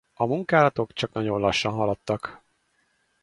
A munkálatok csak nagyon lassan haladtak.